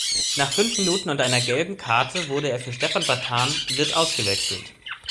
Nach fünf Minuten und einer gelben Karte wurde er für Stefan Batan wird ausgewechselt.